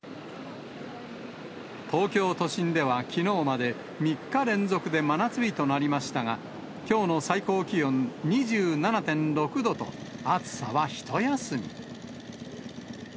東京都心ではきのうまで、３日連続で真夏日となりましたが、きょうの最高気温２７．６度と、暑さは一休み。